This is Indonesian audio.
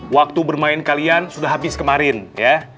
waktu bermain kalian sudah habis kemarin ya